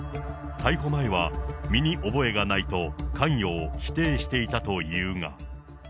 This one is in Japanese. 逮捕前は身に覚えがないと関与を否定していたというが。